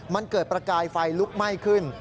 มันเกิดประกายไฟลุกไหม้ขึ้น